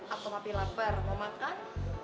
atau mati lapar mau makan